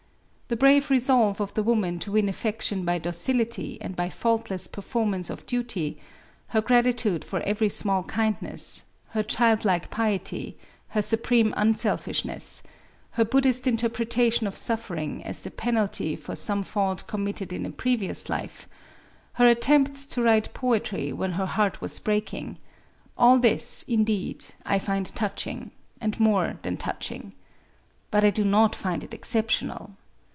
The brave resolve of the woman to win affection by docility and by faultless performance of duty, her gratitude for every small kindness, her childlike piety, her supreme unselfishness, her Buddhist interpretation of suffering as the penalty for some fault committed in a previous life, her attempts to write poetry when her heart was breaking, — all this, indeed, I find touching, and more than touching. But I do not find it exceptional.